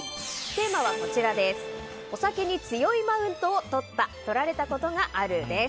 テーマはお酒に強いマウントをとった・とられたことがあるです。